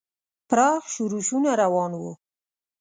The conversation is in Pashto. پراخ ښورښونه روان وو.